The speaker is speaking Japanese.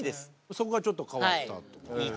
そこがちょっと変わったと。